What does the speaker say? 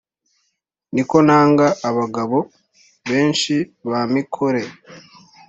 ni ko ntanga abagabo benshi ba mikore,